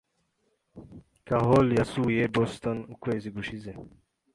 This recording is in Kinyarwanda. Carol yasuye Boston ukwezi gushize.